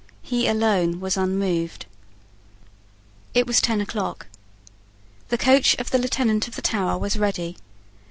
He alone was unmoved. It was ten o'clock. The coach of the Lieutenant of the Tower was ready.